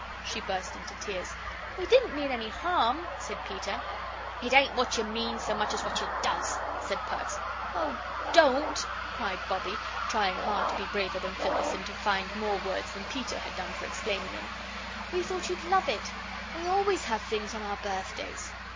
She burst into tears. "We didn't mean any harm," said Peter. "It ain't what you means so much as what you does," said Perks. "Oh, DON'T!" cried Bobbie, trying hard to be braver than Phyllis, and to find more words than Peter had done for explaining in. "We thought you'd love it. We always have things on our birthdays."